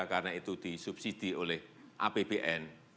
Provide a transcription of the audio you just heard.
karena itu disubsidi oleh apbn